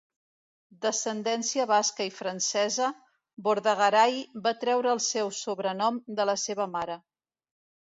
D'ascendència basca i francesa, Bordagaray va treure el seu sobrenom de la seva mare.